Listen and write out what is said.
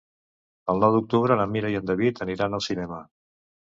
El nou d'octubre na Mira i en David aniran al cinema.